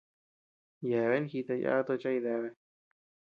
Yeabea jita yada tochi a jideabea.